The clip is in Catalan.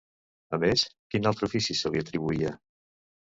A més, quin altre ofici se li atribuïa?